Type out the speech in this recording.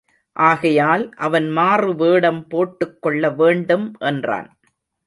ஆகையால், அவன் மாறுவேடம் போட்டுக் கொள்ளவேண்டும் என்றான்.